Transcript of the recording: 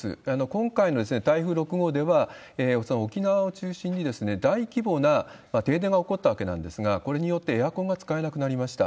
今回の台風６号では、沖縄を中心に大規模な停電が起こったわけなんですが、これによってエアコンが使えなくなりました。